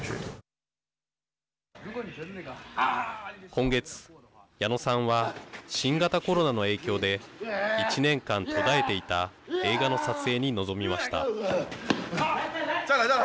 今月矢野さんは新型コロナの影響で１年間、途絶えていた映画の撮影に臨みました。